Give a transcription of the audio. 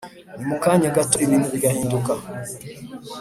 ni mu kanya gato ibintu bigahinduka